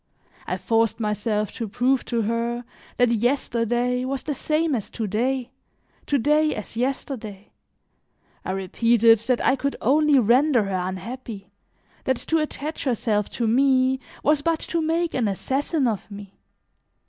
I forced myself to prove to her that yesterday was the same as to day, to day as yesterday; I repeated that I could only render her unhappy, that to attach herself to me was but to make an assassin of me.